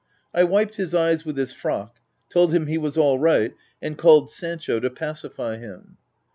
I wiped his eyes with his frock, told him he was ail right, and called Sancho to pacify him.